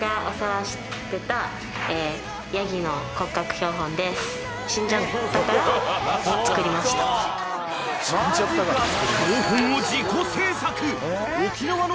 ［標本を自己制作］